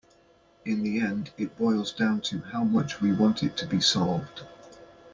In the end it boils down to how much we want it to be solved.